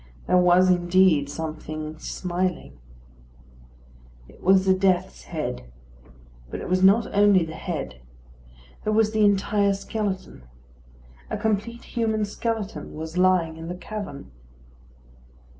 There was indeed something smiling. It was a death's head; but it was not only the head. There was the entire skeleton. A complete human skeleton was lying in the cavern.